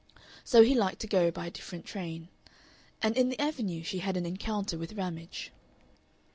So he liked to go by a different train. And in the Avenue she had an encounter with Ramage.